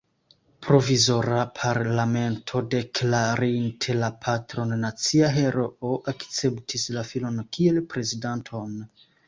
Provizora parlamento, deklarinte la patron nacia heroo, akceptis la filon kiel prezidanton.